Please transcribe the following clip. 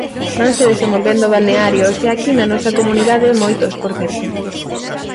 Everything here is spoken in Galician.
Vanse desenvolvendo balnearios, e aquí na nosa comunidade moitos por certo.